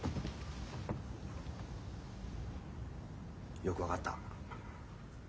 よく分かった。